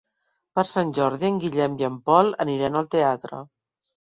Per Sant Jordi en Guillem i en Pol aniran al teatre.